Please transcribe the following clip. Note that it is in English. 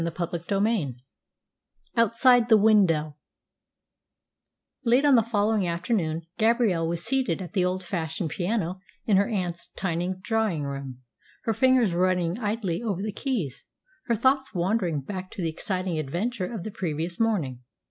CHAPTER XXXII OUTSIDE THE WINDOW Late on the following afternoon Gabrielle was seated at the old fashioned piano in her aunt's tiny drawing room, her fingers running idly over the keys, her thoughts wandering back to the exciting adventure of the previous morning.